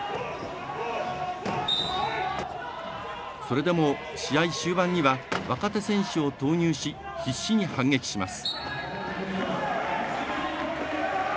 それでも試合終盤には若手選手を投入し必死に反撃します。